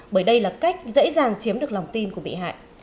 bởi đây là cách dễ dàng chiếm được lòng tin của bị hại